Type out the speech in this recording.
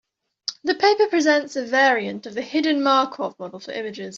The paper presents a variant of a hidden Markov model for images.